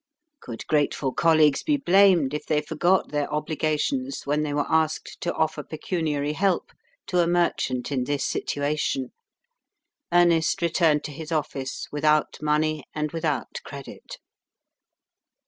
Could grateful colleagues be blamed if they forgot their obligations when they were asked to offer pecuniary help to a merchant in this situation? Ernest returned to his office without money and without credit.